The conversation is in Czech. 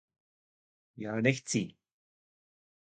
Já nechci.